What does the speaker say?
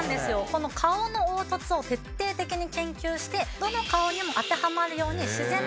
この顔の凹凸を徹底的に研究してどの顔にも当てはまるように自然な角度で作られています。